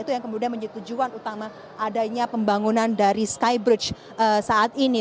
itu yang kemudian menjadi tujuan utama adanya pembangunan dari skybridge saat ini